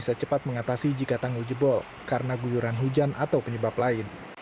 bisa cepat mengatasi jika tanggul jebol karena guyuran hujan atau penyebab lain